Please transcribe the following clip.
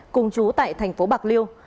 cùng chú tại thành phố bạc liêu